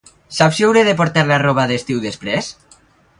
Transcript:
Saps si hauré de portar la roba d'estiu després?